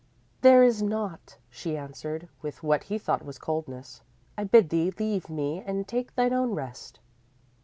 _ _"There is naught," she answered, with what he thought was coldness. "I bid thee leave me and take thine own rest."